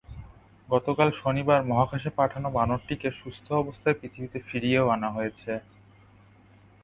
গতকাল শনিবার মহাকাশে পাঠানো বানরটিকে সুস্থ অবস্থায় পৃথিবীতে ফিরিয়েও আনা হয়েছে।